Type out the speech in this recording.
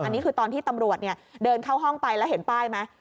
อันนี้คือตอนที่ตำรวจเดินเข้าห้องไปแล้วเห็นป้ายไหม